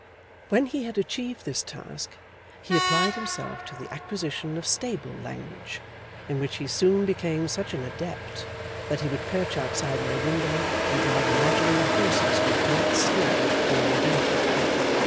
When he had achieved this task, he applied himself to the acquisition of stable language, in which he soon became such an adept, that he would perch outside my window and drive imaginary horses with great skill, all day.